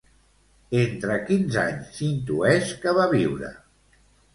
Entre quins anys s'intueix que va viure?